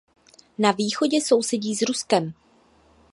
Na východě sousedí s Ruskem.